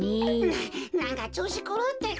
ななんかちょうしくるうってか。